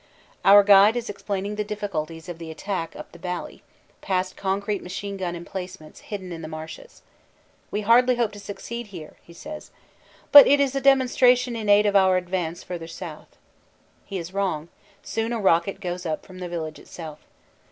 Our guide is explaining the difficulties of the attack up the valley, past concrete machine gun emplacements hidden in the marshes. "We hardly hope to succeed here," he says, "But it is a demonstration in aid of our advance further south." He is wrong; soon a rocket goes up from the village itself.